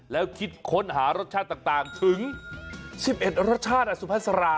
แล้วคิดค้นหารสชาติต่างถึง๑๑รสชาติสุภาษา